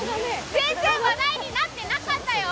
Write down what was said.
全然話題になってなかったよ！